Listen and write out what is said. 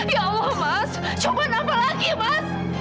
ya allah mas coba nambah lagi mas